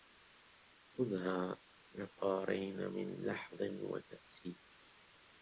خذها عقارين من لحظ وكاس